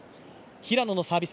平野のサービス